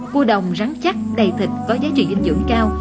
cua đồng rắn chắc đầy thịt có giá trị dinh dưỡng cao